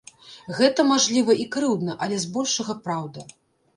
Гэта, мажліва, і крыўдна, але збольшага праўда.